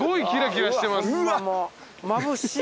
まぶしい。